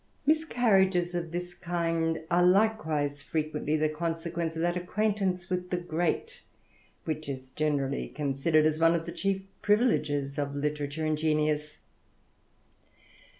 Miscarriages of this kind are likewise frequently the consequence of that acquaintance with the great, which is generally considered as one of the chief privileges of litera ture and genius.